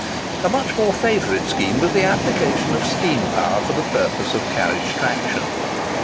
A much more favourite scheme was the application of steam power for the purpose of carriage traction.